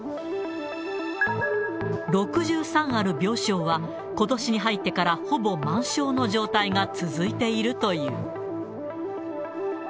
６３ある病床は、ことしに入ってからほぼ満床の状態が続いているという。